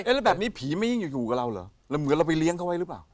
แล้วแบบนี้ผีไม่ยิ่งอยู่กับเราเหรอแล้วเหมือนเราไปเลี้ยงเขาไว้หรือเปล่า